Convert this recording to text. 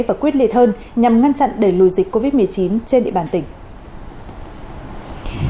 và quyết liệt hơn nhằm ngăn chặn đẩy lùi dịch covid một mươi chín trên địa bàn tỉnh